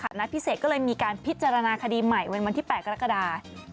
นัดพิเศษก็เลยมีการพิจารณาคดีใหม่วันที่๘กรกฎา